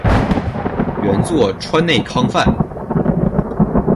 原作川内康范。